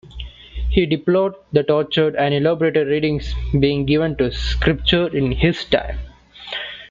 He deplored the tortured and elaborated readings being given to Scripture in his time.